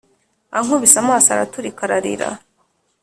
ankubise amaso araturika ararira